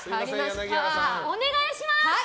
お願いします！